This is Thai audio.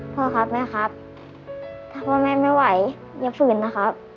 พ่อครับแม่ถ้าแม่ไม่ไหวอย่ากลับส่วนคลอดนะครับ